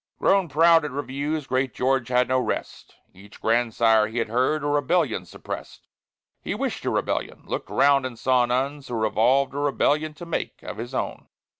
Grown proud at reviews, great George had no rest, Each grandsire, he had heard, a rebellion suppressed, He wish'd a rebellion, looked round and saw none, So resolved a rebellion to make of his own.